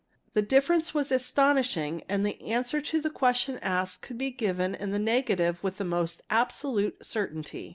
The difference was astonishing nd the answer to the question asked could be given in the negative with the most absolute certainty.